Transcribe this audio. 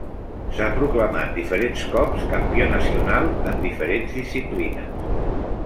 S'ha proclamat diferents cops campió nacional en diferents disciplines.